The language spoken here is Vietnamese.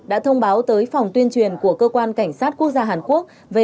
đã thông báo tới phòng tuyên truyền của cơ quan cảnh sát quốc gia hàn quốc